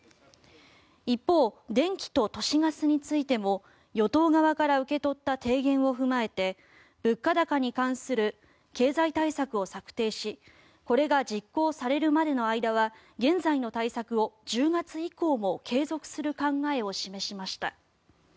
一方、電気と都市ガスについても与党側から受け取った提言を踏まえて物価高に関する経済対策を策定しこれが実行されるまでの間は現在の対策を１０月以降も継続する考えを示しました。